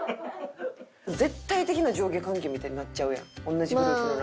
絶対的な上下関係みたいになっちゃうやん同じグループの中。